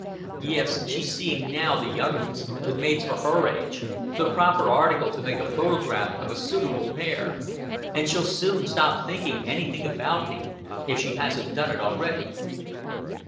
Yes, she's seeing now the young uns the mates for her age the proper article to make a photograph of a suitable pair; and she'll soon stop thinking anything about me, if she hasn't done it a'ready."